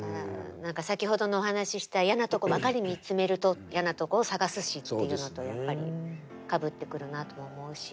先ほどのお話しした嫌なとこばかり見つめると嫌なところを探すしっていうのとやっぱりかぶってくるなとも思うし。